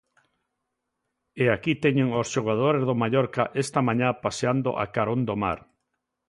E aquí teñen os xogadores do Mallorca esta mañá paseando a carón do mar.